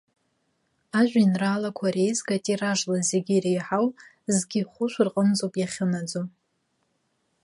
Ажәеинраалақәа реизга тиражла зегьы иреиҳау зқьи хәышә рҟынӡоуп иахьынаӡо.